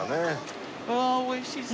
うわあおいしそう。